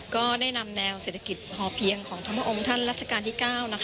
ก็ได้นำแนวเศรษฐกิจพอเพียงของทั้งพระองค์ท่านรัชกาลที่๙